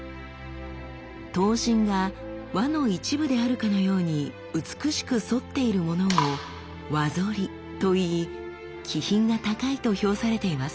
刀身が輪の一部であるかのように美しく反っているものを「輪反り」といい気品が高いと評されています。